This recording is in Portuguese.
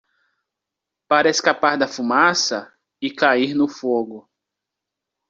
Para escapar da fumaça? e cair no fogo.